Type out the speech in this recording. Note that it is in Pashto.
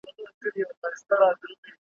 نه تر څنډی د کوهي سوای ورختلای `